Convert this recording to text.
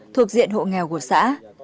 thuộc diện hộ nghèo của xã